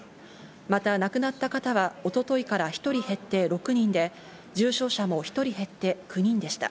また亡くなった方は一昨日から１人減って６人で、重症者も１人減って９人でした。